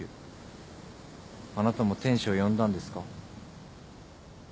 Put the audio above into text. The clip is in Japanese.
あなたも天使を呼んだんですか？